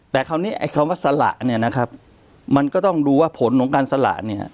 แต่คราวนี้ไอ้คำว่าสละเนี่ยนะครับมันก็ต้องดูว่าผลของการสละเนี่ย